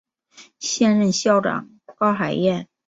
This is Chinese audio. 现任校长高海燕。